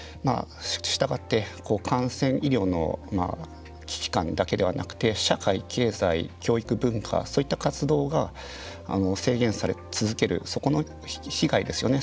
したがって医療の危機感だけではなくて社会、経済、教育、文化そういった活動が制限され続けるそこの被害ですよね。